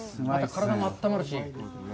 体もあったまるし。